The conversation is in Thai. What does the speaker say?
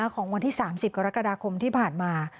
ของวันที่๓๐กรกฎาคมที่ผ่านมา